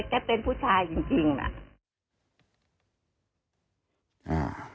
แก่เป็นผู้ชายจริงน่ะ